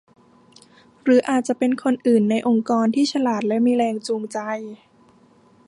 หรืออาจจะเป็นคนอื่นในองค์กรที่ฉลาดและมีแรงจูงใจ